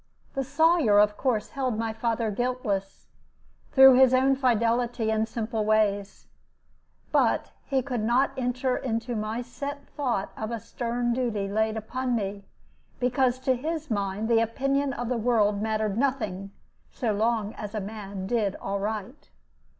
The Sawyer, of course, held my father guiltless, through his own fidelity and simple ways; but he could not enter into my set thought of a stern duty laid upon me, because to his mind the opinion of the world mattered nothing so long as a man did aright.